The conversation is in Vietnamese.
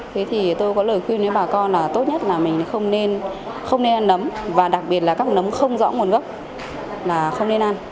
thế thì tôi có lời khuyên đến bà con là tốt nhất là mình không nên không nên ăn nấm và đặc biệt là các nấm không rõ nguồn gốc là không nên ăn